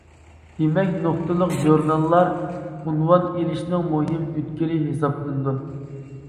دېمەك نۇقتىلىق ژۇرناللار ئۇنۋان ئېلىشنىڭ مۇھىم ئۆتكىلى ھېسابلىنىدۇ.